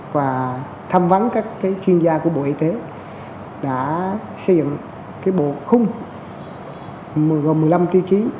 và thăm vấn các chuyên gia của bộ y tế đã xây dựng bộ khung gồm một mươi năm tiêu chí